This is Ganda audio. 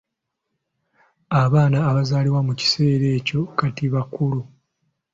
Abaana abazaalibwa mu kiseera ekyo kati bakulu.